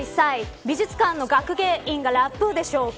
美術館の学芸員がラップで紹介。